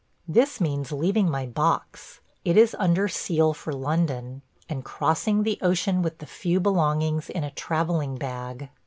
This means leaving my box – it is under seal for London – and crossing the ocean with the few belongings in a travelling bag.